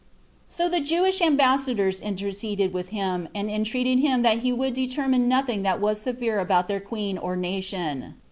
So the Jewish ambassadors interceded with him, and entreated him that he would determine nothing that was severe about their queen or nation.